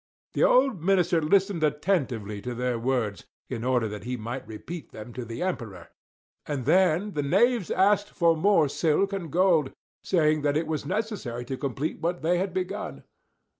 The old minister listened attentively to their words, in order that he might repeat them to the Emperor; and then the knaves asked for more silk and gold, saying that it was necessary to complete what they had begun.